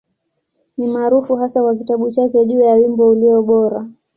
Ni maarufu hasa kwa kitabu chake juu ya Wimbo Ulio Bora.